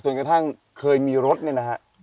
กระทั่งเคยมีรถเนี่ยนะฮะ